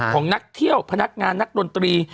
ของนักเที่ยวพนักงานนักดนตรี